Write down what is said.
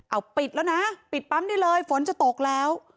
เอาปิดแล้วนะปิดปั๊มได้เลยฝนจะตกแล้ว